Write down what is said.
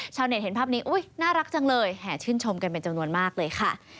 ชาวเน็ตเห็นภาพนี้น่ารักจังเลยแห่ชื่นชมกันเป็นจำนวนมากเลยค่ะ